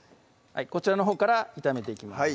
こちらのほうから炒めていきます